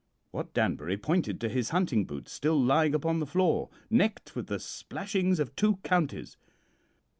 "Wat Danbury pointed to his hunting boots still lying upon the floor, necked with the splashings of two counties.